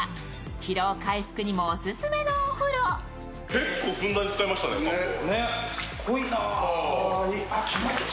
結構ふんだんに使いましたね、漢方。